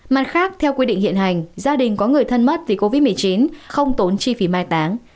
mặt khác theo quy định hiện hành gia đình có người thân mất vì covid một mươi chín không tốn chi phí mai táng